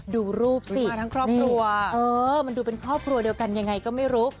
ดูรูปสิทั้งครอบครัวมันดูเป็นครอบครัวเดียวกันยังไงก็ไม่รู้